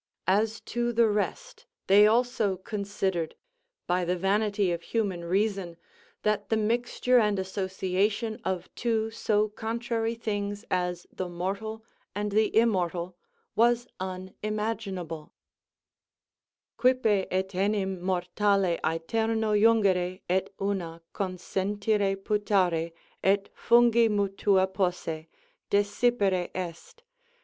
As to the rest, they also considered, by the vanity of human reason, that the mixture and association of two so contrary things as the mortal and the immortal, was unimaginable: Quippe etenim mortale æterao jungere, et una Consentire putare, et fungi mutua posse, Desipere est.